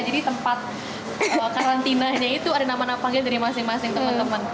jadi tempat karantinanya itu ada nama nama panggilan dari masing masing temen temen